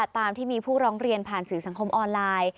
ตามที่มีผู้ร้องเรียนผ่านสื่อสังคมออนไลน์